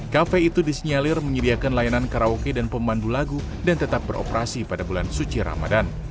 kafe itu disinyalir menyediakan layanan karaoke dan pemandu lagu dan tetap beroperasi pada bulan suci ramadan